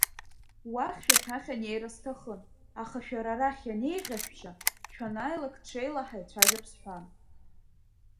Уахь шәа шәахь анеира сҭахын, аха шәара арахь ианеиӷьашәшьа шәанааилак ҽеила ҳаицәажәап сҳәан…